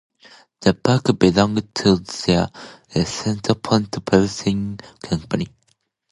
The park belonged to the Cedar Point Pleasure Company.